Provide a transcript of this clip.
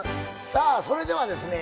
さあそれではですね